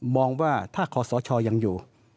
มองว่าถ้าขอสชยังอยู่